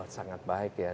sangat baik ya